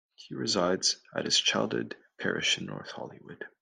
He resides at his childhood parish in North Hollywood.